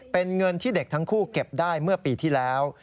เป็นเงินที่เด็กทั้งคู่เก็บได้เมื่อปีที่แล้ว